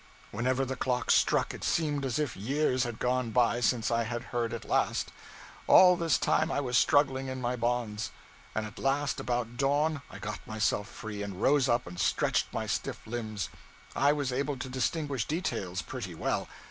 Whenever the clock struck, it seemed as if years had gone by since I had heard it last. All this time I was struggling in my bonds; and at last, about dawn, I got myself free, and rose up and stretched my stiff limbs. I was able to distinguish details pretty well.